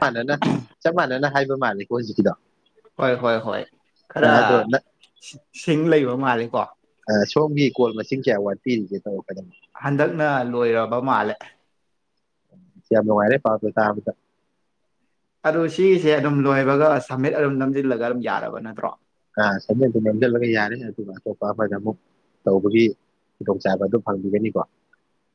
ꯃꯥꯅꯅ ꯆꯞ ꯃꯥꯅꯅ ꯍꯥꯏꯕ ꯃꯥꯜꯂꯤꯀꯣ ꯑꯩ ꯍꯧꯖꯤꯛꯀꯤꯗꯣ ꯍꯣꯏ ꯍꯣꯏ ꯍꯣꯏ ꯈꯔ ꯑꯗꯣ ꯁꯤꯡ ꯂꯩꯕ ꯃꯥꯜꯂꯤꯀꯣ ꯁꯣꯝꯒꯤ ꯀꯣꯜ ꯃꯁꯤꯡ ꯀꯌꯥ ꯋꯥꯠꯄꯤꯔꯤꯒꯦ ꯇꯧ ꯍꯟꯗꯛꯅ ꯂꯣꯏꯔꯕ ꯃꯥꯜꯂꯦ ꯌꯥꯝ ꯅꯨꯡꯉꯥꯏꯔꯦ ꯄꯥꯎꯁꯦ ꯇꯥꯕꯗ ꯑꯗꯨ ꯁꯤꯒꯤꯁꯦ ꯑꯗꯨꯝ ꯂꯣꯏꯕꯒ ꯁꯝꯃꯤꯠ ꯑꯗꯨꯝ ꯅꯝꯁꯤꯜꯂꯒ ꯑꯗꯨꯝ ꯌꯥꯔꯕ ꯅꯠꯇ꯭ꯔꯣ ꯑ ꯁꯃꯤꯠ ꯑꯗꯨꯝ ꯅꯝꯁꯤꯜꯂꯒ ꯌꯥꯔꯦ ꯑꯗꯨꯒ ꯑꯇꯣꯞꯄ ꯑꯃꯗ ꯑꯃꯨꯛ ꯇꯧꯕꯒꯤ ꯈꯨꯗꯣꯡꯆꯥꯕ ꯑꯗꯨ ꯐꯪꯕꯤꯒꯅꯤꯀꯣ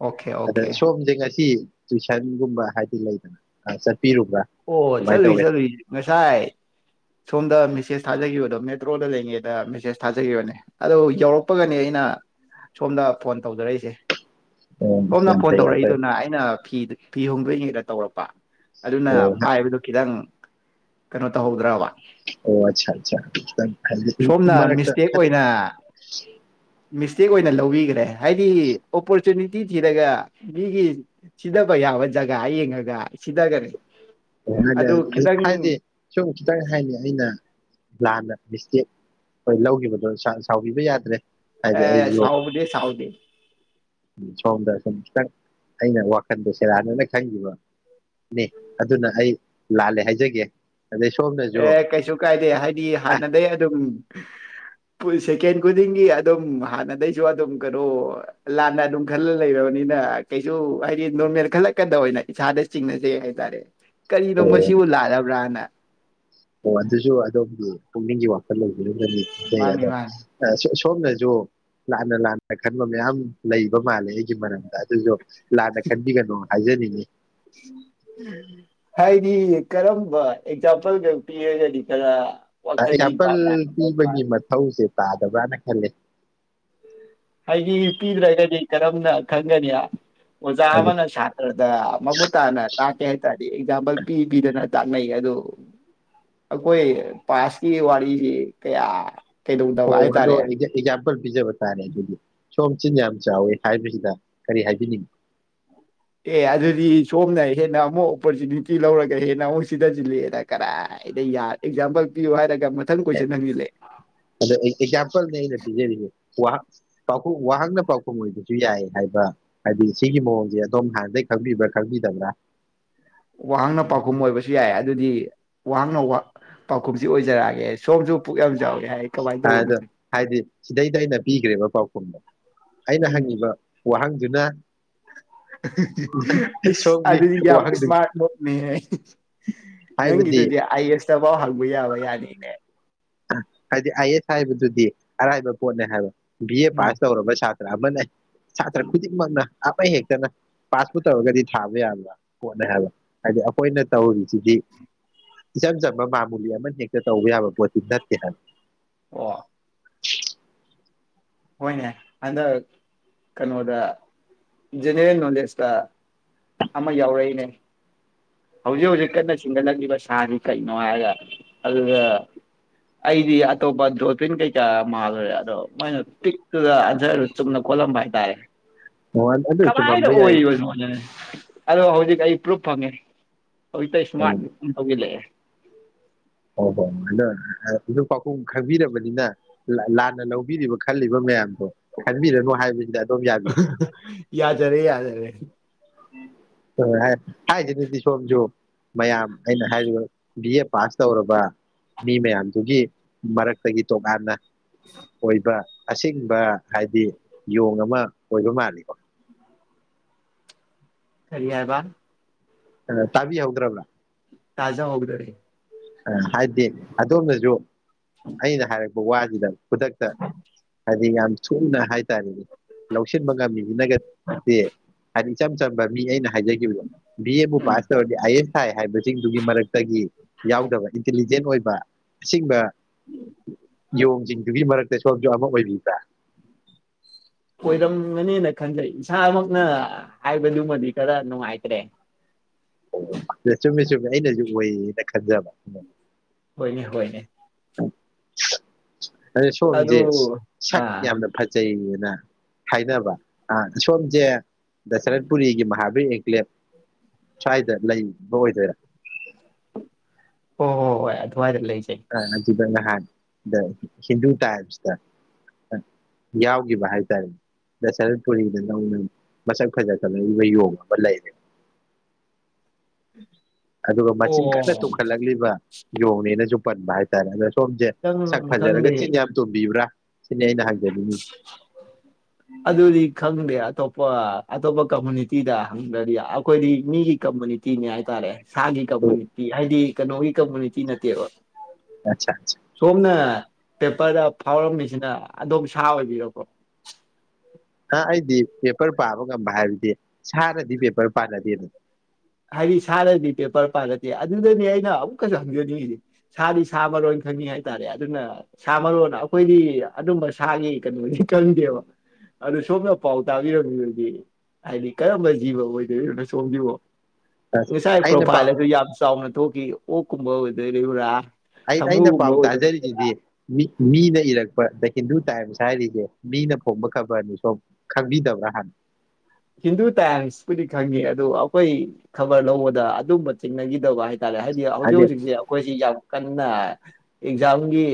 ꯑꯣꯀꯦ ꯑꯗ ꯑꯣꯀꯦ ꯁꯣꯝꯁꯦ ꯉꯁꯤ ꯇꯨꯏꯁꯟꯒꯨꯝ ꯍꯥꯏꯗꯤ ꯂꯩꯗꯅ ꯆꯠꯄꯤꯔꯨꯕ꯭ꯔꯥ ꯑꯣ ꯀꯃꯥꯏꯅ ꯆꯠꯂꯨꯏ ꯇꯧꯋꯦ ꯆꯠꯂꯨꯏ ꯉꯁꯥꯏ ꯁꯣꯝꯗ ꯃꯤꯁ ꯃꯦꯁꯦꯖ ꯊꯥꯖꯈꯤꯕꯗꯣ ꯃꯦꯇ꯭ꯔꯣꯗ ꯂꯩꯉꯩꯗ ꯃꯦꯁꯦꯖ ꯊꯥꯖꯈꯤꯕꯅꯦ ꯑꯗꯣ ꯌꯧꯔꯛꯄꯒꯅꯦ ꯑꯩꯅ ꯁꯣꯝꯗ ꯐꯣꯟ ꯇꯧꯖꯔꯛꯏꯁꯦ ꯑꯣ ꯁꯣꯝꯅ ꯌꯥꯝ ꯐꯣꯟ ꯐꯩ ꯌꯥꯝ ꯐꯩ ꯇꯧꯔꯛꯏꯗꯨꯅ ꯑꯩꯅ ꯐꯤꯗꯨ ꯐꯤ ꯍꯣꯡꯗꯣꯛꯏ ꯉꯩꯗ ꯇꯧꯔꯛꯄ ꯑꯗꯨꯅ ꯑꯣ ꯈꯤꯇꯪ ꯀꯩꯅꯣ ꯇꯧꯍꯧꯗ꯭ꯔꯕ ꯑꯣ ꯑꯆꯥ ꯑꯆꯥ ꯈꯤꯇꯪ ꯈꯟ ꯁꯣꯝꯅ ꯃꯔꯛꯇ ꯃꯤꯁꯇꯦꯛ ꯈꯟ ꯑꯣꯏꯅ ꯃꯤꯁꯇꯦꯛ ꯑꯣꯏꯅ ꯂꯧꯕꯤꯒꯔꯦ ꯍꯥꯏꯗꯤ ꯑꯣꯄꯔ ꯇꯔꯤꯅꯤꯇꯤ ꯊꯤꯔꯒ ꯃꯤꯒꯤ ꯁꯤꯊꯕ ꯌꯥꯕ ꯖꯒꯥ ꯌꯦꯡꯉꯒ ꯁꯤꯊꯒꯅꯤ ꯑꯣ ꯍꯥꯏꯗꯤ ꯁꯨꯝ ꯀꯩ ꯍꯥꯏꯅꯤ ꯑꯩꯅ ꯂꯥꯟꯅ ꯃꯤꯁꯇꯦꯛ ꯑꯣꯏꯅ ꯂꯧꯈꯤꯕꯗꯣ ꯁꯥꯔ ꯁꯥꯎꯕꯤꯕ ꯌꯥꯗ꯭ꯔꯦ ꯑꯦ ꯁꯥꯎꯕꯗꯤ ꯁꯥꯎꯗꯦ ꯎ ꯁꯣꯝꯗ ꯁꯨꯝ ꯈꯤꯇꯪ ꯑꯩꯅ ꯋꯥꯈꯜꯗ ꯁꯦꯔꯥꯟꯅꯅ ꯈꯪꯈꯤꯕꯅꯦ ꯑꯗꯨꯅ ꯑꯩ ꯂꯥꯜꯂꯦ ꯍꯥꯏꯖꯒꯦ ꯑꯗꯩ ꯁꯣꯝꯅꯁꯨ ꯑꯦ ꯀꯩꯁꯨ ꯀꯥꯏꯗꯦ ꯍꯥꯏꯗꯤ ꯑ ꯍꯥꯟꯅꯗꯒꯩ ꯑꯗꯨꯝ ꯁꯦꯀꯦꯟ ꯈꯨꯗꯤꯡꯒꯤ ꯑꯗꯨꯝ ꯍꯥꯟꯅꯗꯩꯁꯨ ꯑꯗꯨꯝ ꯀꯩꯅꯣ ꯂꯥꯟꯅ ꯑꯗꯨꯝ ꯈꯜꯂ ꯂꯩꯔꯕꯅꯤꯅ ꯀꯩꯁꯨ ꯍꯥꯏꯗꯤ ꯅꯣꯔꯃꯦꯜ ꯈꯜꯂꯛꯀꯗ ꯑꯣꯏꯅ ꯏꯁꯥꯗ ꯆꯤꯡꯅꯖꯩ ꯍꯥꯏꯇꯥꯔꯦ ꯀꯔꯤꯅꯣ ꯑꯣ ꯃꯁꯤꯕꯨ ꯂꯥꯜꯂꯕ꯭ꯔꯥꯅ ꯑꯣ ꯑꯗꯨꯁꯨ ꯑꯗꯣꯝꯒꯤ ꯄꯨꯛꯅꯤꯡꯒꯤ ꯋꯥ ꯃꯥꯅꯤ ꯃꯥꯅꯤ [unintelligible] ꯁꯣꯝꯅꯁꯨ ꯂꯥꯟꯅ ꯂꯥꯟꯅ ꯈꯟꯕ ꯃꯌꯥꯝ ꯂꯩꯕ ꯃꯥꯜꯂꯦ ꯑꯩ ꯃꯔꯝꯗ ꯑꯗꯨꯁꯨꯣ ꯂꯥꯟꯅ ꯈꯟꯕꯤꯒꯅꯣ ꯍꯥꯏꯖꯔꯤꯅꯤ ꯍꯥꯏꯗꯤ ꯀꯔꯝꯕ ꯑꯦꯛꯖꯥꯝꯄꯜꯒ ꯄꯤꯔꯒꯗꯤ ꯀꯔ ꯑꯦꯛꯖꯥꯝꯄꯜ ꯄꯤꯕꯒꯤ ꯃꯊꯧꯁꯦ ꯇ ꯇꯗꯕ꯭ꯔꯅ ꯈꯜꯂꯦ ꯍꯥꯏꯗꯤ ꯄꯤꯗ꯭ꯔꯒꯗꯤ ꯀꯔꯝꯅ ꯈꯪꯒꯅꯤ ꯑꯣꯖ ꯑꯗꯨ ꯑꯃꯅ ꯁꯇ꯭ꯔꯗ ꯃꯃꯨꯠ ꯇꯥꯅ ꯇꯥꯛꯀꯦ ꯍꯥꯏ ꯇꯥꯔꯗꯤ ꯑꯦꯛꯖꯥꯝꯄꯜ ꯄꯤ ꯄꯤꯗꯅ ꯇꯥꯛꯅꯩ ꯑꯗꯨ ꯑꯈꯣꯏ ꯄꯥꯁꯀꯤ ꯋꯥꯔꯤꯁꯤ ꯀꯌꯥ ꯀꯩꯗꯧꯗꯕ ꯑꯣ ꯑꯗꯣ ꯍꯥꯏꯇꯥꯔꯦ ꯑꯣꯏꯗꯤ ꯑꯦꯛꯖꯝꯄꯜ ꯄꯤꯖꯦꯕ ꯇꯥꯔꯦ ꯑꯗꯨꯗꯤ ꯁꯣꯝ ꯆꯤꯟ ꯌꯥꯝ ꯆꯥꯎꯋꯤ ꯍꯥꯏꯕꯁꯤꯗ ꯀꯔꯤ ꯍꯥꯏꯕꯤꯅꯤꯡꯉꯤ ꯑꯦ ꯑꯗꯨꯗꯤ ꯁꯣꯝꯅ ꯍꯦꯟꯅ ꯑꯃꯨꯛ ꯑꯣꯄꯣꯔꯆꯨꯅꯤꯇꯤ ꯂꯧꯔꯒ ꯍꯦꯟꯅ ꯑꯃꯨꯛ ꯁꯤꯊꯁꯤꯜꯂꯛꯑꯦꯗ ꯀꯗꯥꯏꯗ ꯌꯥ ꯑꯦꯛꯖꯥꯝꯄꯜ ꯄꯤꯌꯨ ꯍꯥꯏꯔꯒ ꯃꯊꯪ ꯀꯣꯏꯁꯟ ꯍꯪꯖꯤꯜꯂꯛꯑꯦ ꯑꯗꯣ ꯑꯩ ꯑꯦꯛꯖꯥꯝꯄꯜꯅꯦ ꯑꯩꯅ ꯄꯤꯖꯔꯤꯁꯦ ꯋꯥꯍ ꯄꯥꯎꯈꯨꯝ ꯋꯥꯍꯥꯛꯅ ꯄꯥꯎꯈꯨꯝ ꯑꯣꯏꯕꯁꯨ ꯌꯥꯏ ꯍꯥꯏꯕ ꯍꯥꯏꯗꯤ ꯁꯤꯒꯤ ꯃꯑꯣꯡꯁꯦ ꯑꯗꯣꯝ ꯍꯥꯟꯅꯩ ꯈꯪꯕꯤꯕ꯭ꯔꯥ ꯈꯪꯕꯤꯗꯕ꯭ꯔꯥ ꯋꯥꯍꯪꯅ ꯄꯥꯎꯈꯨꯝ ꯑꯣꯏꯕꯁꯨ ꯌꯥꯏ ꯑꯗꯨꯗꯤ ꯋꯥꯍꯪꯅ ꯋꯥ ꯄꯥꯎꯈꯨꯝꯁꯤ ꯑꯣꯏꯖꯔꯛꯑꯒꯦ ꯁꯣꯝꯁꯨ ꯄꯨꯛ ꯌꯥꯝ ꯆꯥꯎꯋꯦ ꯍꯥꯏ ꯀꯃꯥꯏꯅ ꯑꯥꯗ ꯇꯧꯕꯅꯣ ꯍꯥꯏꯗꯤ ꯁꯤꯗꯩꯗ ꯑꯩꯅ ꯄꯤꯈ꯭ꯔꯦꯕ ꯄꯥꯎꯈꯨꯝꯗꯣ ꯑꯩꯅ ꯍꯪꯉꯤꯕ ꯋꯥꯍꯪ ꯑꯗꯨꯅ [unintelligible] ꯑꯍꯤ ꯍꯤ ꯑꯩꯁ ꯁꯣꯝꯒꯤ ꯑꯗꯨꯗꯤ ꯌꯥꯝ ꯋꯥꯍꯪꯗꯨꯒꯤ ꯏꯁꯃꯥꯔꯠ ꯃꯣꯠꯅꯦꯍꯦ ꯍꯥꯏꯕꯗꯤ ꯅꯪꯒꯤꯗꯨꯗꯤ ꯑꯥꯏ ꯑꯦꯁꯇꯐꯥꯎ ꯍꯪꯕ ꯌꯥꯕ ꯌꯥꯅꯤꯅꯦ ꯍꯥꯏꯗꯤ ꯑꯥꯏ ꯑꯦꯁ ꯍꯥꯏꯕꯗꯨꯗꯤ ꯑꯔꯥꯏꯕ ꯄꯣꯠꯅꯦ ꯍꯥꯏꯕ ꯕꯤ ꯑꯦ ꯎꯝ ꯄꯥꯁ ꯇꯧꯔꯕ ꯁꯥ ꯑꯃꯅ ꯁꯥꯇ꯭ꯔ ꯈꯨꯗꯤꯡꯃꯛꯅ ꯑꯃ ꯍꯦꯛꯇꯅ ꯄꯥꯁꯄꯨ ꯇꯧꯔꯒꯗꯤ ꯊꯥꯕ ꯌꯥꯕ ꯄꯣꯠꯅꯦ ꯍꯥꯏꯕ ꯍꯥꯏꯗꯤ ꯑꯩꯈꯣꯏꯅ ꯇꯧꯔꯤꯁꯤꯗꯤ ꯏꯆꯝ ꯆꯝꯕ ꯃꯥꯃꯨꯂꯤ ꯑꯃꯅ ꯍꯦꯛꯇ ꯇꯧꯕ ꯌꯥꯕ ꯄꯣꯠꯦ ꯅꯠꯇꯦ ꯍꯥꯏ ꯑꯣ ꯍꯣꯏꯅꯦ ꯍꯟꯗꯛ ꯀꯩꯅꯣꯗ ꯖꯦꯅꯦꯔꯦꯜ ꯅꯣꯂꯦꯖꯇ ꯑꯃ ꯌꯥꯎꯔꯛꯏꯅꯦ ꯍꯧꯖꯤꯛ ꯍꯧꯖꯤꯛ ꯀꯟꯅ ꯆꯤꯡꯒꯠꯂꯛꯂꯤꯕ ꯁꯥꯁꯤ ꯀꯩꯅꯣ ꯍꯥꯏꯒ ꯑꯗꯨꯗ ꯑꯩꯗꯤ ꯑꯇꯣꯞꯄ ꯗ꯭ꯔꯣꯐꯤꯟ ꯀꯩꯀꯥ ꯃꯥꯜꯂꯨꯔꯦ ꯑꯗꯣ ꯃꯣꯏꯅ ꯄꯤꯛꯇꯨꯗ ꯑꯟꯖꯔꯗꯨ ꯆꯨꯝꯅ ꯈꯣꯠꯂꯝꯕ ꯍꯥꯏꯇꯥꯔꯦ ꯑꯣ ꯑꯗꯨ ꯀꯃꯥꯏꯅ ꯆꯨꯝꯃꯝꯕ ꯌꯥꯏ ꯑꯣꯏꯔꯤꯕꯅꯣꯅꯦ ꯑꯗꯣ ꯍꯧꯖꯤꯛ ꯑꯩ ꯄ꯭ꯔꯨꯞ ꯐꯪꯉꯦ ꯍꯧꯖꯤꯛꯇ ꯏꯁꯃꯥꯔꯠ ꯊꯧꯖꯤꯜꯂꯛꯑꯦ ꯑꯣ ꯍꯣꯏ ꯍ ꯑꯗꯣ ꯍꯧꯛ ꯄꯥꯎꯈꯨꯝ ꯈꯪꯕꯤꯔꯕꯅꯤꯅ ꯂꯥꯟꯅ ꯂꯧꯕꯤꯔꯤꯕ ꯈꯜꯂꯤꯕ ꯃꯌꯥꯝ [inaudible] ꯌꯥꯖꯔꯦ ꯌꯥꯖꯔꯦ ꯍꯥꯏꯔꯤꯗꯨꯗꯤ ꯁꯣꯝꯁꯨ ꯃꯌꯥꯝ ꯑꯩꯅ ꯍꯥꯏꯔꯤꯕ ꯕꯤ ꯑꯦ ꯄꯥꯁ ꯇꯧꯔꯕ ꯃꯤ ꯃꯌꯥꯝꯗꯨꯒꯤ ꯃꯔꯛꯇꯒꯤ ꯇꯣꯉꯥꯟꯅ ꯑꯣꯏꯕ ꯑꯁꯤ ꯕ ꯍꯥꯏꯗꯤ ꯌꯣꯡ ꯑꯃ ꯑꯣꯏꯕ ꯃꯥꯜꯂꯤꯀꯣ ꯀꯔꯤ ꯍꯥꯏꯕ ꯑ ꯇꯥꯕꯤꯍꯧꯗ꯭ꯔꯕ꯭ꯔꯥ ꯇꯥꯖꯥ ꯍꯧꯗꯔꯦ ꯑ ꯍꯥꯏꯗꯤ ꯑꯗꯣꯝꯗꯖꯨ ꯑꯩꯅ ꯍꯥꯏꯔꯛ ꯕ ꯋꯥꯁꯤꯗ ꯈꯨꯗꯛꯇ ꯍꯥꯢꯗꯤ ꯌꯥꯝ ꯁꯣꯝꯅ ꯍꯥꯏꯇꯥꯔꯦꯅꯦ ꯂꯧꯁꯤꯟꯕ ꯉꯝꯃꯤ ꯏꯅꯒꯠꯗꯤ ꯍꯥꯢꯗꯤ ꯏꯆꯝ ꯆꯝꯕ ꯃꯤ ꯑꯩꯅ ꯍꯥꯏꯖꯈꯤꯕꯗ ꯕꯤ ꯑꯦ ꯕꯨ ꯎꯝ ꯄꯥꯁ ꯇꯧꯔꯗꯤ ꯑꯥꯏ ꯑꯦ ꯑꯦꯁ ꯊꯥꯏ ꯍꯥꯏꯕꯁꯤꯡꯗꯨꯒꯤ ꯃꯔꯛꯇꯒꯤ ꯌꯥꯎꯗꯕ ꯏꯟꯇꯦꯜꯂꯤꯖꯦꯟꯗ ꯑꯣꯏꯕ ꯑꯁꯤꯡꯕ ꯌꯣꯡ ꯁꯤꯡꯗꯨꯒꯤ ꯃꯔꯛ ꯇ ꯁꯣꯝꯖꯨ ꯑꯃ ꯑꯣꯏꯕꯤꯕ꯭ꯔꯥ ꯑꯣꯏꯔꯝꯒꯅꯤꯅ ꯈꯟꯖꯩ ꯏꯁꯥꯃꯛꯅ ꯍꯥꯏꯕꯗꯨꯃꯗꯤ ꯈꯔ ꯅꯨꯡꯉꯥꯏꯇ꯭ꯔꯦ ꯑꯣ ꯆꯨꯝꯃꯦ ꯆꯨꯝꯃꯦ ꯑꯩꯅꯁꯨ ꯑꯣꯢꯌꯦꯅ ꯈꯟꯖꯕ ꯍꯣꯏꯅꯦ ꯍꯣꯏꯅꯦ [inaudible] ꯑꯗ ꯑꯗꯨ ꯁꯣꯝꯁꯦ ꯁꯛ ꯑꯥ ꯌꯥꯝꯅ ꯐꯖꯩꯌꯦ ꯅ ꯍꯥꯏꯅꯕ ꯑ ꯁꯣꯝꯖꯦ ꯗꯁꯔ꯭ꯠꯄꯨꯔꯤꯒꯤ ꯃꯍꯥ ꯍꯨꯢ ꯍꯦꯛꯇ ꯌꯥꯢ ꯆꯥꯏꯗ ꯂꯩꯕ ꯑꯣꯏꯗꯣꯏꯔ ꯑꯣ ꯍꯣ ꯍꯣꯍꯣꯏ ꯑꯗꯨꯋꯥꯏꯗ ꯂꯩ ꯑ ꯑꯗꯨꯗ ꯅꯍꯥꯟ ꯗ ꯍꯤꯟꯗꯨ ꯇꯥꯏꯝꯁꯇ ꯑ ꯌꯥꯎꯈꯤꯕ ꯍꯥꯏꯇꯥꯔꯦꯅꯦ ꯗꯁꯔ꯭ꯠꯄꯨꯔꯤꯗ ꯅꯧꯅ ꯃꯁꯛ ꯐꯖ ꯈꯂꯛꯏꯕ ꯌꯣꯡ ꯑꯃ ꯂꯩꯔꯦꯅ [unintelligible] ꯑꯗꯨꯒ ꯃꯆꯤꯟ ꯑꯣ ꯀꯟꯅ ꯇꯨꯝꯈꯠꯂꯛꯂꯤꯕ ꯌꯣꯡꯅꯦꯅꯁꯨ ꯄꯟꯕ ꯍꯥꯢꯇꯔꯦ ꯑꯗꯣ ꯁꯣꯝꯁꯦ ꯁꯛ ꯈꯤꯇꯪ ꯐꯖꯔꯒ ꯆꯤꯟ ꯈꯪꯗꯦ ꯌꯥꯝ ꯇꯨꯝꯕꯤꯕ꯭ꯔꯥ ꯁꯤꯅꯦ ꯑꯩꯅ ꯍꯪꯖꯅꯤꯡꯉꯤ ꯑꯗꯨꯗꯤ ꯈꯪꯗꯦ ꯑꯇꯣꯞꯄ ꯑꯇꯣꯞꯄ ꯀꯝꯃꯨꯅꯤꯇꯤꯗ ꯍꯪꯗꯗꯤ ꯑꯩꯈꯣꯏꯗꯤ ꯃꯤꯒꯤ ꯀꯝꯃꯨꯅꯤꯇꯤꯅꯤ ꯍꯥꯏꯇꯥꯔꯦ ꯁꯥꯒꯤ ꯀꯝꯃꯨꯅꯤꯇꯤ ꯍꯥꯏꯗꯤ ꯀꯩꯅꯣꯒꯤ ꯀꯝꯃꯨꯅꯤꯇꯤ ꯅꯠꯇꯦꯕ ꯑꯠꯆꯥ ꯑꯠꯆꯥ ꯁꯣꯝꯅ ꯄꯦꯄꯔꯗ ꯐꯥꯎꯔꯝꯃꯤꯁꯤꯅ ꯑꯗꯨꯝ ꯁꯥ ꯑꯣꯏꯕꯤꯔꯣ ꯑ ꯑꯩꯗꯤ ꯄꯦꯄꯔ ꯄꯥꯕ ꯉꯝꯕ ꯍꯥꯏꯕꯗꯤ ꯁꯥꯅꯗꯤ ꯄꯦꯄꯔ ꯄꯥꯟꯅꯗꯦꯅ ꯍꯥꯏꯗꯤ ꯁꯥꯗꯗꯤ ꯄꯦꯄꯔ ꯄꯥꯒꯠꯇꯦ ꯑꯗꯨꯗꯅꯦ ꯑꯩꯅ ꯑꯃꯨꯛꯀꯁꯨ ꯍꯪꯖꯅꯤꯡꯉꯤꯁꯤ ꯁꯥꯗꯤ ꯁꯥ ꯃꯔꯣꯟ ꯈꯪꯉꯤ ꯍꯥꯏꯇꯔꯦ ꯑꯗꯨꯅ ꯁꯥ ꯃꯔꯣꯟ ꯑꯩꯈꯣꯏꯗꯤ ꯑꯗꯨꯝꯕ ꯁꯥꯒꯤ ꯀꯩꯅꯣꯗꯤ ꯈꯪꯗꯦꯕ ꯑꯗꯨ ꯁꯣꯝꯅ ꯄꯥꯎ ꯇꯕꯤꯔꯝꯃꯕꯗꯤ ꯍꯥꯏꯗꯤ ꯀꯔꯝꯕ ꯖꯤꯕ ꯑꯣꯏꯗꯣꯏꯅꯣ ꯁꯣꯝꯖꯤꯕꯣ ꯉꯁꯥꯏ ꯑꯩꯅ ꯄ꯭ꯔꯣꯐꯥꯏꯜ ꯄꯥꯎ ꯑꯗꯨ ꯌꯥꯝ ꯆꯥꯎꯅ ꯊꯣꯛꯈꯤ ꯑꯣ ꯀꯨꯝꯕ ꯑꯣꯏꯗꯣꯏꯔꯤꯕ꯭ꯔ ꯑꯩ ꯑꯩꯅ ꯄꯥꯎ ꯇꯖꯔꯤꯗꯨꯗꯤ ꯃꯤ ꯃꯤꯅ ꯏꯔꯛꯄ ꯗ ꯍꯤꯟꯗꯨ ꯇꯥꯏꯝꯁ ꯍꯥꯏꯔꯤꯗꯣ ꯃꯤꯅ ꯐꯣꯡꯕ ꯈꯕꯔꯅꯤ ꯁꯣꯝ ꯈꯪꯕꯤꯗꯕ꯭ꯔ ꯍꯥꯟꯅ ꯍꯤꯟꯗꯨ ꯇꯥꯏꯝꯁꯄꯨꯗꯤ ꯈꯪꯉꯤ ꯑꯗ ꯑꯈꯣꯏ ꯈꯕꯔ ꯂꯧꯕꯗ ꯑꯗꯨꯝꯕ ꯊꯦꯡꯅꯈꯤꯗꯕ ꯍꯥꯏ ꯇ ꯍꯥꯏꯗꯤ ꯍꯧꯖꯤꯛ ꯍꯧꯖꯤꯛꯁꯦ ꯑꯩꯈꯣꯏꯁꯤ ꯌꯥꯝ ꯀꯟ ꯅ ꯑꯦꯛꯖꯥꯝꯒꯤ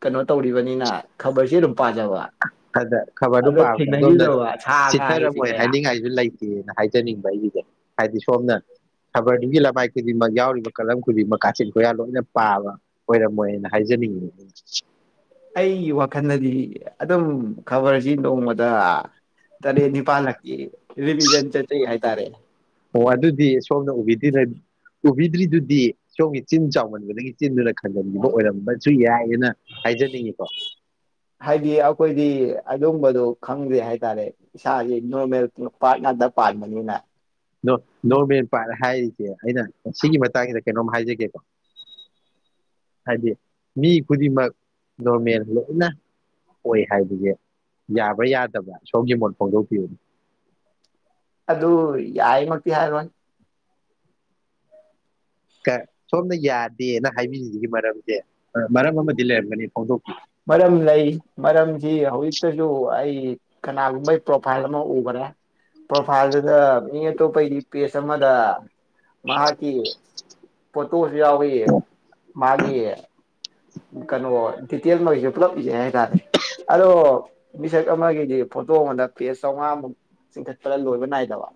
ꯀꯩꯅꯣ ꯇꯧꯔꯤꯕꯅꯤꯅ ꯈꯕꯔꯁꯤ ꯑꯗꯨꯝ ꯄꯥꯖꯕ ꯑꯗ ꯈꯕꯔꯗꯨ ꯑꯗ ꯄꯥꯕꯗ ꯑꯗꯣꯝꯗ ꯊꯦꯡꯅꯈꯤꯗꯕ ꯁꯥ ꯉꯥꯒꯤꯁꯤ ꯆꯤꯊꯔꯝꯃꯣꯏ ꯀꯌꯥ ꯍꯥꯏꯅꯤꯡꯉꯥꯏꯁꯨ ꯂꯩ ꯍꯥꯏꯖꯅꯤꯡꯕ ꯑꯩꯒꯤꯁꯦ ꯍꯥꯏꯗꯤ ꯁꯣꯝꯅ ꯈꯕꯔꯗꯨꯒꯤ ꯂꯃꯥꯏ ꯈꯨꯗꯤꯡꯃꯛ ꯌꯥꯎꯔꯤꯕ ꯀꯂꯝ ꯈꯨꯗꯤꯡꯃꯛ ꯀꯥꯆꯤꯟ ꯀꯣꯏꯌꯥ ꯂꯣꯏꯅ ꯄꯥꯕ ꯑꯣꯏꯔꯝꯃꯣꯏꯅ ꯍꯥꯏꯖꯅꯤꯡ ꯑꯩꯒꯤ ꯋꯥꯈꯜꯗꯗꯤ ꯑꯗꯨꯝ ꯈꯕꯔꯁꯤ ꯅꯣꯡꯃꯗ ꯇꯔꯦꯠ ꯅꯤꯄꯥꯜꯂꯀꯤ ꯔꯤꯂꯤꯖꯟ ꯆꯠꯆꯩ ꯍꯥꯏꯇꯔꯦ ꯑꯣ ꯑꯗꯨꯗꯤ ꯁꯣꯝꯅ ꯎꯕꯤꯗꯤ ꯎꯕꯤꯗ꯭ꯔꯤꯗꯨꯗꯤ ꯁꯣꯝꯒꯤ ꯆꯤꯟ ꯆꯥꯎꯃꯟꯕꯗꯒꯤ ꯆꯤꯟꯗꯨ ꯂꯩ ꯍꯟꯖꯟꯈꯤꯕ ꯑꯣꯏꯔꯝꯕꯁꯨ ꯌꯥꯏꯌꯦꯅ ꯍꯥꯏꯖꯅꯤꯡꯉꯤꯀꯣ ꯑꯗꯨꯒꯝꯕꯗꯣ ꯈꯪꯗ꯭ꯔꯦ ꯍꯥꯏꯇꯔꯦ ꯏꯁꯥꯥꯒꯤ ꯅꯣꯔꯃꯦꯜ ꯄꯥꯔꯠ ꯉꯥꯛꯇ ꯄꯥꯟꯕꯅꯤꯅ ꯗꯣ ꯗꯣꯔꯃꯦꯟ ꯄꯥꯂꯦ ꯍꯥꯏꯔꯁꯤꯗꯤ ꯑꯩꯅ ꯁꯤꯒꯤ ꯃꯇꯥꯡ ꯀꯩꯅꯣꯝ ꯍꯥꯏꯖꯒꯦꯀꯣ ꯍꯥꯏꯗꯤ ꯃꯤ ꯈꯨꯗꯤꯡꯃꯛ ꯅꯣꯔꯃꯦꯜ ꯂꯣꯏꯅ ꯑꯣꯏ ꯍꯥꯏꯕꯁꯦ ꯌꯥꯕ꯭ꯔ ꯌꯥꯗꯕ꯭ꯔ ꯁꯣꯝꯒꯤ ꯃꯣꯠ ꯐꯣꯡꯗꯣꯛꯄꯤꯌꯨꯅꯦ ꯑꯗꯨ ꯌꯥꯏꯃꯛꯇꯤ ꯍꯥꯏꯔꯣꯢ ꯀ ꯁꯣꯝꯅ ꯌꯥꯗꯦꯅ ꯍꯥꯏꯕꯤꯔꯤꯁꯤꯒꯤ ꯃꯔꯝꯁꯦ ꯃꯔꯝ ꯑꯃꯗꯤ ꯂꯩꯔꯝꯒꯅꯤ ꯐꯣꯡꯗꯣꯛ ꯃꯔꯝ ꯂꯩ ꯃꯔꯝꯁꯤ ꯍꯧꯖꯤꯛꯇꯁꯨ ꯑꯩ ꯀꯅꯥꯒꯨꯝꯕ ꯄ꯭ꯔꯣꯐꯥꯏꯜ ꯑꯃ ꯎꯒꯔꯦ ꯄ꯭ꯔꯣꯐꯥꯏꯜꯗꯨꯗ ꯃꯤ ꯑꯇꯣꯞꯄꯩꯗꯤ ꯄꯦꯖ ꯑꯃꯗ ꯃꯍꯥꯀꯤ ꯄꯣꯁꯨ ꯌꯥꯎꯋꯦ ꯃꯥ [inaudible] ꯀꯅꯣ ꯗꯤꯇꯦꯜ ꯑꯣꯏ ꯄꯨꯜꯂꯞꯀꯤꯁꯦ ꯍꯥꯏꯇꯔꯦ ꯑꯗꯣ ꯃꯤꯁꯛ ꯑꯃꯒꯤꯗꯤ ꯐꯣꯇꯣꯒ ꯅꯞ ꯄꯦꯖ ꯆꯥꯝꯉꯥꯃꯨꯛ ꯆꯤꯡꯈꯠꯄꯗ ꯂꯣꯏꯕ ꯅꯥꯏꯗꯕ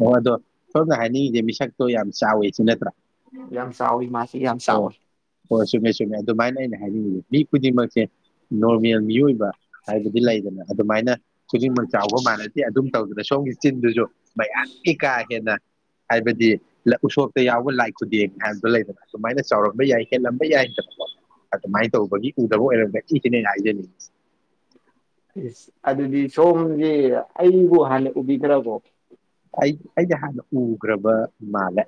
ꯍꯣꯏ ꯑꯗꯣ ꯁꯣꯝꯅ ꯍꯥꯏꯅꯤꯡꯉꯤꯁꯦ ꯃꯤꯁꯛ ꯇꯣ ꯌꯥꯝ ꯆꯥꯎꯋꯤ ꯁꯤ ꯅꯠꯇ꯭ꯔ ꯌꯥꯝ ꯆꯥꯎꯋꯤ ꯃꯥꯁꯦ ꯌꯥꯝ ꯆꯥꯎ ꯑꯣ ꯆꯨꯝꯃꯦ ꯆꯨꯝꯃꯦ [unintelligible] ꯃꯤ ꯈꯨꯗꯤꯡꯃꯛꯁꯦ ꯅꯣꯔꯃꯦꯜ ꯃꯤꯑꯣꯏꯕ ꯍꯥꯏꯕꯗꯤ ꯂꯩꯗꯅ ꯑꯗꯨꯃꯥꯏꯅ ꯈꯨꯗꯤꯡꯃꯛ ꯆꯥꯎꯕ ꯃꯥꯟꯅꯗꯗꯦ ꯑꯗꯨꯝ ꯇꯧꯗꯅ ꯁꯣꯝꯒꯤ ꯆꯤꯟꯗꯨꯖꯨ ꯩ ꯑꯌꯥꯝꯄꯤ ꯀꯥ ꯍꯦꯟꯅ ꯍꯥꯏꯕꯗꯤ ꯎꯁꯣꯞꯇ ꯌꯥꯎꯕ ꯂꯥꯏ ꯈꯨꯗꯦꯡ ꯍꯥꯏꯕ ꯂꯩꯗꯅ ꯑꯗꯨꯃꯥꯏꯅ ꯆꯥꯎꯔꯝꯕ ꯌꯥꯏ ꯍꯦꯜꯂꯝꯕ ꯌꯥꯏꯗꯅꯀꯣ ꯑꯗꯨꯃꯥꯏꯅ ꯇꯧꯕꯒꯤ ꯎꯗꯕ ꯑꯣꯏꯔꯝꯒꯅꯤ ꯁꯤꯅꯦ ꯑꯩꯅ ꯍꯥꯏꯖꯅꯤꯡꯉꯤ ꯏꯁ ꯑꯗꯨꯗꯤ ꯁꯣꯝꯁꯦ ꯑꯩꯕꯨ ꯍꯥꯟꯅ ꯎꯕꯤꯗ꯭ꯔꯕꯣ ꯑꯩ ꯑꯩꯗꯤ ꯍꯥꯟꯅ ꯎꯒ꯭ꯔꯕ ꯃꯥꯥꯜꯂꯦ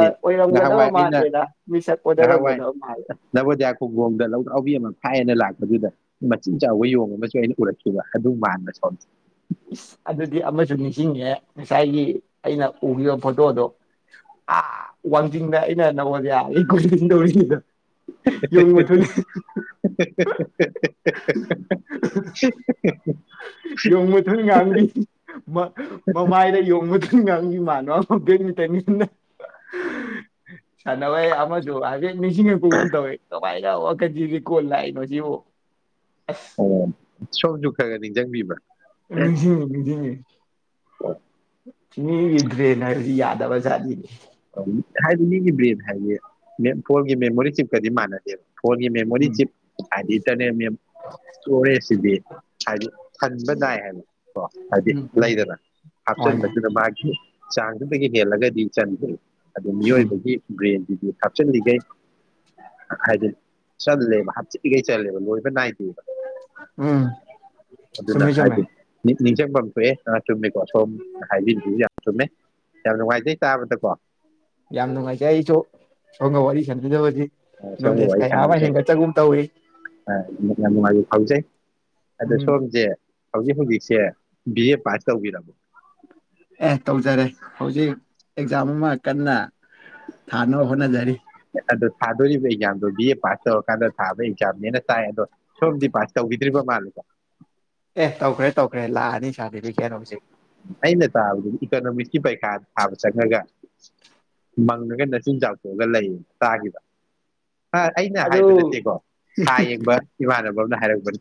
ꯑꯣꯏꯔꯝꯒꯗꯕ ꯑꯩꯅ ꯃꯥꯟꯗꯦꯗ ꯃꯤꯁꯛ ꯑꯣꯟꯅꯔꯝꯒꯗꯕ ꯃꯥꯜꯂꯦ ꯈꯨꯝꯕꯣꯝꯗ ꯂꯧꯗ꯭ꯔꯥꯎꯕꯤ ꯑꯃ ꯐꯥꯏꯌꯦꯅ ꯂꯥꯛꯄꯗꯨꯗ ꯃꯆꯤꯟ ꯆꯥꯎꯕ ꯌꯣꯡ ꯑꯃꯁꯨ ꯑꯩꯅ ꯎꯔꯛꯈꯤꯕ ꯑꯗꯨ ꯃꯥꯟꯕ ꯁꯣꯝꯁꯦ ꯏꯁ ꯑꯗꯨꯗꯤ ꯑꯃꯁꯨ ꯅꯤꯡꯁꯤꯡꯉꯦ ꯉꯁꯥꯏꯒꯤ ꯑꯩꯅ ꯎꯈꯤꯕ ꯐꯣꯇꯣꯗꯣ ꯑꯥ ꯋꯥꯡꯖꯤꯡꯗ ꯑꯩꯅ ꯅꯣꯕꯣꯗꯤꯌꯥ ꯒꯤ ꯀꯣꯆꯤꯡ ꯇꯧꯔꯤꯉꯩꯗ ꯍꯦ ꯌꯣꯡ ꯍꯦ ꯃꯊꯨꯟ ꯍꯦ ꯍꯦ ꯍꯦ ꯗꯨꯢ ꯉꯥꯡꯒꯤ ꯃ ꯃꯃꯥꯢꯗ ꯌꯣꯡ ꯃ ꯍ ꯅꯪꯒꯤ ꯃꯥꯟꯕ ꯑꯃ ꯄꯤꯅꯤ ꯇꯥꯢꯃꯤꯡꯗꯨꯅ ꯁꯥꯟꯅꯕꯩ ꯑꯃꯖꯨ ꯑꯕꯤ ꯅꯤꯡꯁꯤꯡꯉꯛꯄꯒꯨꯝ ꯇꯧꯏ ꯋꯥꯢꯗ ꯑꯣ ꯀꯟꯐꯌꯨꯒꯤ ꯀꯣꯛ ꯂꯥꯛꯏꯅꯣ ꯁꯤꯕꯣ ꯑꯣ ꯁꯣꯝꯖꯨ ꯈꯔꯈꯔ ꯅꯤꯡꯖꯪꯕꯤꯕ꯭ꯔꯥ ꯅꯤꯡꯖꯤꯡꯉꯤꯅꯤꯡꯖꯤꯡꯉꯤ ꯑꯣ ꯃꯤꯒꯤ ꯗ꯭ꯔꯦꯟ ꯍꯥꯏꯕꯁꯤ ꯌꯥꯗꯕꯖꯥꯠꯅꯤ ꯍꯥꯏꯗꯤ ꯃꯤꯒꯤ ꯕ꯭ꯔꯦꯟ ꯍꯥꯏꯗꯤ ꯃꯦꯞ ꯐꯣꯟꯒꯤ ꯃꯦꯃꯣꯔꯤ ꯆꯤꯞꯀꯗꯤ ꯃꯥꯟꯅꯗꯦꯕ ꯐꯣꯟꯒꯤ ꯎꯝ ꯃꯦꯃꯣꯔꯤꯆꯤꯞ ꯍꯥꯏꯗꯤ ꯏꯟꯇꯔꯅꯦꯠ ꯃꯦꯟ ꯁꯇꯣꯔꯦꯖꯁꯤꯗꯤ ꯍꯥꯏꯗꯤ ꯍꯟꯕ ꯅꯥꯏ ꯍꯥꯏꯕ ꯀꯣ ꯍꯥꯏꯗꯤ ꯎꯝ ꯎꯝ ꯂꯩꯗꯅ ꯍꯣꯏꯅꯦ ꯍꯥꯞꯆꯤꯟꯕꯗꯨꯗ ꯃꯥꯒꯤ ꯆꯥꯡ ꯑꯗꯨꯗꯒꯤ ꯍꯦꯜꯂꯒꯗꯤ ꯆꯟꯗꯦ ꯑꯗꯨ ꯎꯝ ꯃꯤꯑꯣꯏꯕꯒꯤ ꯕ꯭ꯔꯦꯟꯗꯨꯗꯤ ꯍꯥꯞꯆꯤꯜꯂꯤꯒꯩ ꯍꯥꯏꯗꯤ ꯆꯜꯂꯦꯕ ꯍꯥꯞꯆꯤꯂꯤꯒꯩ ꯆꯜꯂꯦꯕ ꯂꯣꯏꯕ ꯅꯥꯏꯗꯦꯕ ꯎꯝ ꯑꯗꯨꯅ ꯆꯨꯝꯃꯤ ꯆꯨꯝꯃꯤ ꯍꯥꯏꯗꯤ ꯃꯤ ꯅꯤꯡꯖꯪꯕꯝ ꯊꯣꯛꯑꯦ ꯑꯥ ꯆꯨꯝꯃꯦꯀꯣ ꯁꯣꯝ ꯅ ꯍꯥꯏꯕꯤꯔꯤꯗꯣ ꯌꯥꯝ ꯆꯨꯝꯃꯦ ꯌꯥꯝ ꯅꯨꯡꯉꯥꯏꯖꯩ ꯇꯥꯕꯗꯀꯣ ꯌꯥꯝ ꯅꯨꯡꯉꯥꯏꯖꯩ ꯑꯩꯖꯨ ꯁꯣꯝꯒ ꯋꯥꯔꯤ ꯁꯥꯟꯅꯖꯕꯖꯤ ꯁꯤꯒꯨꯝꯕ ꯅꯣꯂꯦꯖ ꯋꯥꯔꯤ ꯀꯌꯥ ꯑꯃ ꯁꯥꯟꯅꯕꯁꯦ ꯍꯦꯟꯒꯠꯆꯕꯒꯨꯝ ꯇꯧꯏ ꯍꯧꯖꯤꯛ ꯑꯗꯨ ꯎꯝ ꯁꯣꯝꯖꯦ ꯍꯧꯖꯤꯛ ꯍꯧꯖꯤꯛꯁꯦ ꯕꯤ ꯑꯦ ꯄꯥꯁ ꯇꯧꯕꯤꯔꯣ ꯑꯦ ꯇꯧꯖꯔꯦ ꯍꯧꯖꯤꯛ ꯑꯦꯛꯖꯥꯝ ꯑꯃ ꯀꯟꯅ ꯊꯥꯅꯕ ꯍꯣꯠꯅꯖꯔꯤ ꯑꯗꯣ ꯊꯥꯗꯨꯔꯤꯕ ꯑꯦꯛꯖꯥꯝꯗꯣ ꯕꯤ ꯑꯦ ꯄꯥꯁ ꯇꯧꯔꯀꯥꯟꯗ ꯊꯥꯕ ꯑꯦꯛꯖꯥꯝꯅꯦꯅ ꯇꯥꯏ ꯑꯗꯣ ꯁꯣꯝꯗꯤ ꯄꯥꯁ ꯇꯧꯕꯤꯗ꯭ꯔꯤꯕ ꯃꯥꯜꯂꯦꯗ ꯑꯦ ꯇꯧꯈ꯭ꯔꯦ ꯇꯧꯈ꯭ꯔꯦ ꯂꯥꯟ ꯑꯩꯅ ꯇꯥꯕꯗꯗꯤ ꯏꯛ ꯏꯀꯣꯅꯣꯃꯤꯛꯁꯀꯤ ꯄꯩꯈꯥ ꯊꯥꯕ ꯆꯪꯉꯒ ꯃꯪꯉꯒ ꯅꯆꯤꯟ ꯆꯥꯎꯊꯣꯛꯑꯒ ꯂꯩ ꯇꯥꯒꯤꯕ ꯑ ꯑꯩꯅ ꯑꯗꯨ ꯍꯥꯏꯕ ꯅꯠꯇꯦꯀꯣ ꯊꯥ ꯌꯦꯡꯕ ꯏꯃꯥꯟꯅꯕ ꯑꯃꯅ ꯍꯥꯏꯔꯛꯄꯅꯤ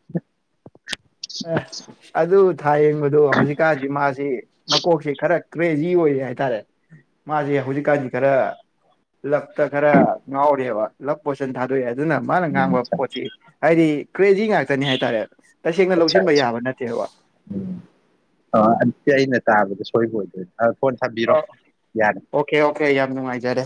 ꯑ ꯑꯗꯨ ꯊꯥꯌꯦꯡꯕꯗꯣ ꯍꯧꯖꯤꯛꯀꯥꯟꯖꯤ ꯃꯥꯖꯤ ꯃꯀꯣꯛꯁꯤ ꯈꯔ ꯀ꯭ꯔꯦꯖꯤ ꯑꯣꯏꯔꯤ ꯍꯥꯏꯇꯥꯔꯦ ꯃꯥꯁꯦ ꯍꯧꯖꯤꯛꯀꯥꯟꯁꯤ ꯈꯔ ꯂꯛꯇ ꯈꯔ ꯉꯥꯎꯔꯦꯕ ꯂꯛ ꯄꯣꯁꯟ ꯊꯥꯗꯣꯛꯑꯦ ꯑꯗꯨꯅ ꯃꯥꯅ ꯉꯥꯡꯕ ꯑꯠꯆꯥ ꯄꯣꯠꯁꯤ ꯍꯥꯏꯗꯤ ꯀ꯭ꯔꯦꯖꯤ ꯉꯥꯛꯇꯅꯦ ꯍꯥꯏꯇꯥꯔꯦ ꯇꯁꯦꯡꯅ ꯑꯆꯥ ꯂꯧꯁꯤꯟꯕ ꯑꯆꯥ ꯌꯥꯕ ꯅꯠꯇꯦꯕ ꯎꯝ ꯑꯣ ꯑꯗꯨꯗꯤ ꯑꯩꯅ ꯇꯥꯕꯗ ꯁꯣꯏꯕ ꯑꯣꯏꯗꯣꯢ ꯑ ꯑꯣꯀꯦ ꯑꯣꯀꯦ ꯌꯥꯝ ꯅꯨꯡꯉꯥꯏꯖꯔꯦ